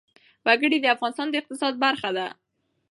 وګړي د افغانستان د اقتصاد برخه ده.